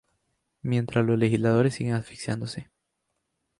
Mientras los legisladores siguen asfixiándose